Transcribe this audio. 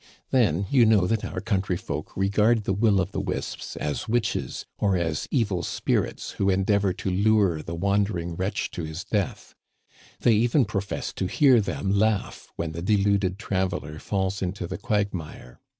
Then, you know that our country folk regard the will o' the wisps as witches, or as evil spirits who endeavor to lure the wandering wretch to his death. They even profess to hear them laugh when the deluded traveler falls into the quagmire.